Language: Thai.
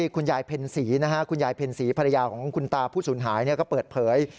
ขณะที่คุณยายเพ็ญศรีภรรยาของคุณตาผู้ศุลหายก็เปิดเผย